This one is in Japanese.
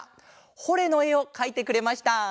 「ホ・レッ！」のえをかいてくれました。